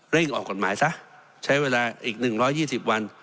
ออกกฎหมายซะใช้เวลาอีก๑๒๐วัน